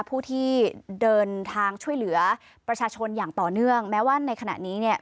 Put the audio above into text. ผู้ที่เดินทางช่วยเหลือประชาชนอย่างต่อเนื่องแม้ว่าในขณะนี้เนี่ย